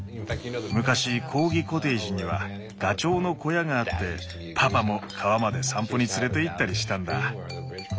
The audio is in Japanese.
昔コーギコテージにはガチョウの小屋があってパパも川まで散歩に連れていったりしたんだ。